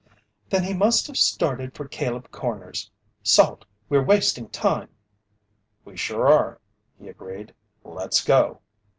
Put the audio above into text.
"Then he must have started for Caleb Corners! Salt, we're wasting time!" "We sure are," he agreed. "Let's go!"